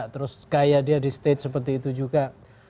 terus kayak dia di stage seperti itu juga